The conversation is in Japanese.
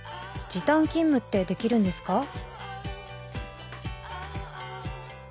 時短勤務ってできるんですか？